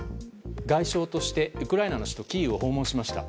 外相としてウクライナの首都キーウを訪問しました。